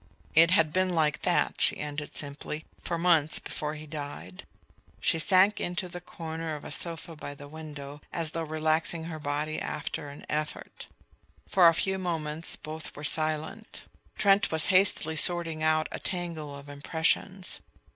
"It had been like that," she ended simply, "for months before he died." She sank into the corner of a sofa by the window, as though relaxing her body after an effort. For a few moments both were silent. Trent was hastily sorting out a tangle of impressions.